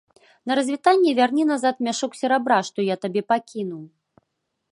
На развітанне вярні назад мяшок серабра, што я табе пакінуў.